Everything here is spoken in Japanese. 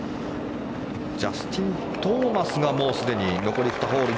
ジャスティン・トーマスがすでに残り２ホール。